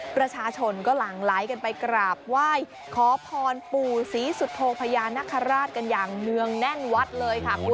ประชาชนก็หลั่งไหลกันไปกราบไหว้ขอพรปู่ศรีสุโธพญานคราชกันอย่างเนื่องแน่นวัดเลยค่ะคุณ